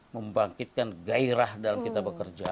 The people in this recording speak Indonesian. membangkitkan gairah dalam kita bekerja